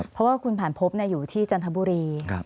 เพราะว่าคุณผ่านพบอยู่ที่จันทบุรี